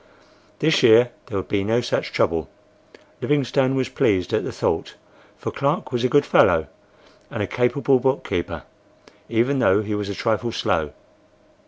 This year there would be no such trouble. Livingstone was pleased at the thought; for Clark was a good fellow, and a capable bookkeeper, even though he was a trifle slow.